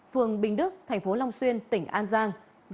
phường bình đức thành phố long xuyên tỉnh an giang